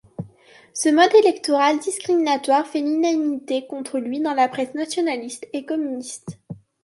Ce mode électoral discriminatoire fait l’unanimité contre lui dans la presse nationaliste et communiste.